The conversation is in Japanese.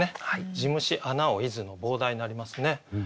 「地虫穴を出づ」の傍題になりますね。